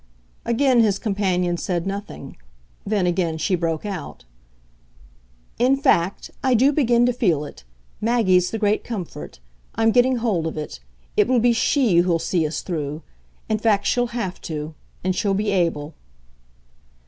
Again his companion said nothing; then again she broke out. "In fact I do begin to feel it Maggie's the great comfort. I'm getting hold of it. It will be SHE who'll see us through. In fact she'll have to. And she'll be able."